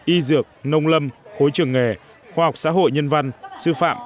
y dược nông lâm khối trường nghề khoa học xã hội nhân văn sư phạm